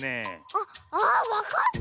あっああっわかった！